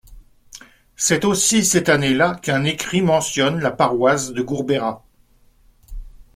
C'est aussi cette année-là qu'un écrit mentionne la paroisse de Gourbera.